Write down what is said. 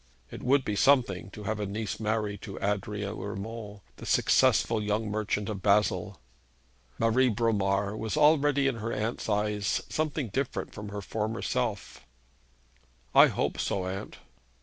It would be something to have a niece married to Adrian Urmand, the successful young merchant of Basle. Marie Bromar was already in her aunt's eyes something different from her former self. 'I hope so, aunt.'